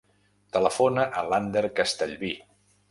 Telefona a l'Ander Castellvi.